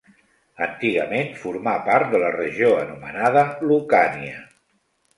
Antigament formà part de la regió anomenada Lucània.